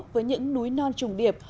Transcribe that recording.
với những núi non trùng điệp